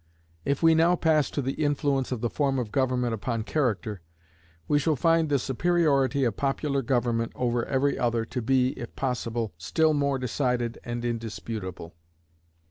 If we now pass to the influence of the form of government upon character, we shall find the superiority of popular government over every other to be, if possible, still more decided and indisputable.